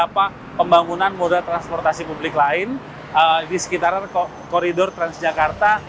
pembangunan moda transportasi publik lain di sekitaran koridor transjakarta